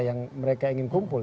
yang mereka ingin kumpul